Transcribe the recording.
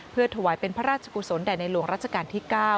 เพื่อถวายเป็นพระราชกุศลแด่ในหลวงรัชกาลที่๙